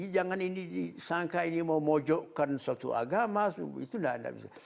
jangan ini disangka ini mau mojokkan suatu agama itu tidak ada